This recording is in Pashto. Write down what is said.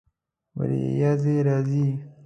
ورېځې راځي